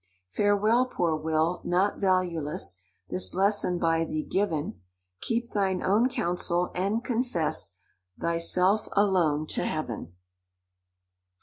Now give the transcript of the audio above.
"Farewell, poor Will—not valueless This lesson by thee given: 'Keep thine own counsel, and confess Thyself alone to heaven!